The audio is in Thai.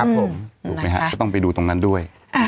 ถูกไหมฮะก็ต้องไปดูตรงนั้นด้วย